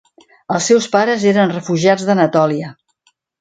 Els seus pares eren refugiats d'Anatòlia.